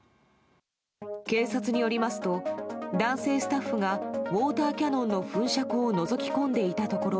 警察によりますと男性スタッフがウォーターキャノンの噴射口をのぞき込んでいたところ